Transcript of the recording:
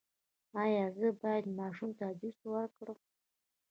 ایا زه باید ماشوم ته جوس ورکړم؟